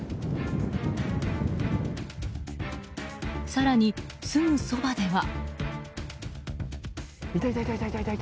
更に、すぐそばでは。